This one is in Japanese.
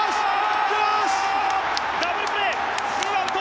ダブルプレー、ツーアウト。